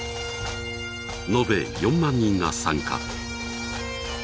延べ４万人が参加。